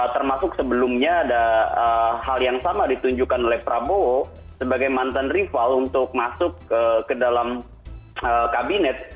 termasuk sebelumnya ada hal yang sama ditunjukkan oleh prabowo sebagai mantan rival untuk masuk ke dalam kabinet